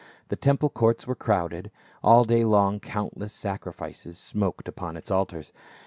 The temple courts were crowded ; all day long countless sacrifices smoked upon its altars.